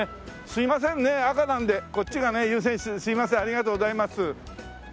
すみませんねえ赤なんでこっちがね優先すみませんありがとうございます。